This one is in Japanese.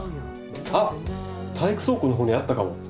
あっ体育倉庫のほうにあったかも。